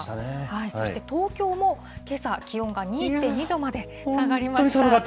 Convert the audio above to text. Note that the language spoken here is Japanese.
そして東京もけさ、気温が２．２度まで下がりました。